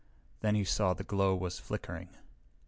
Then he saw the glow was flickering.